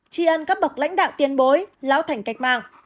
trì ân các bọc lãnh đạo tiên bối lão thành cách mạng